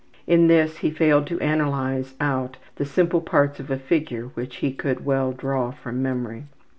In this he failed to analyze out the simple parts of a figure which he could well draw from memory.